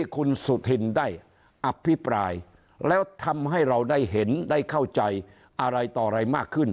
คุณสุธินได้อภิปรายแล้วทำให้เราได้เห็นได้เข้าใจอะไรต่ออะไรมากขึ้น